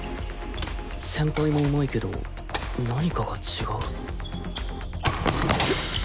先輩もうまいけど何かが違う